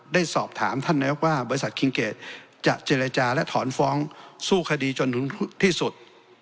ได้สอบถามท่านนายกว่าบริษัทคิงเกดจะเจรจาและถอนฟ้องสู้คดีจนถึงที่สุด